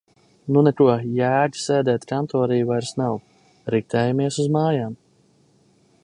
Nu neko, jēga sēdēt kantorī vairs nav, riktējamies uz mājām.